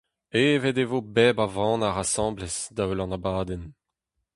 Evet e vo bep a vannac'h asambles da-heul an abadenn.